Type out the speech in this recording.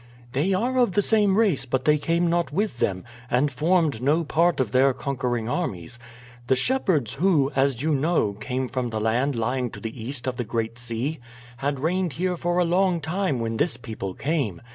"They are of the same race, but they came not with them, and formed no part of their conquering armies. The shepherds, who, as you know, came from the land lying to the east of the Great Sea, had reigned here for a long time when this people came.